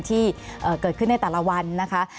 ที่เกิดขึ้นในแต่ละวันนะคะ